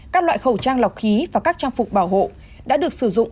các loại khẩu trang lọc khí và các trang phục bảo hộ đã được sử dụng